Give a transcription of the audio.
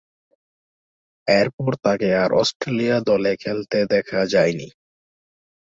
এরপর তাকে আর অস্ট্রেলিয়া দলে খেলতে দেখা যায়নি।